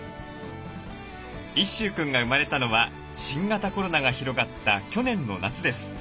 一舟くんが生まれたのは新型コロナが広がった去年の夏です。